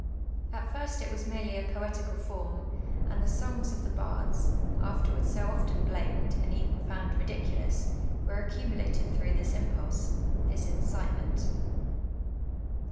At first it \va« niorely a jKH'tical form, and the son^ of tlic bards, aftrrwards so olttn blamed, and even fijuud ridi culous, wcro accumulated through tliis imjiulM ,— this incite ment.